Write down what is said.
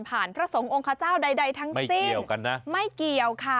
ผ่านพระสงค์องค์ขเจ้าใดทั้งสิ้นไม่เกี่ยวกันนะไม่เกี่ยวค่ะ